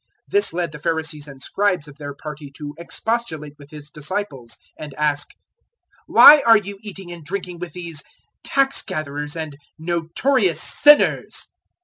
005:030 This led the Pharisees and Scribes of their party to expostulate with His disciples and ask, "Why are you eating and drinking with these tax gatherers and notorious sinners?"